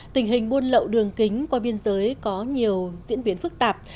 tình hình buôn lậu đường kính qua biên giới có nhiều diễn biến phức tạp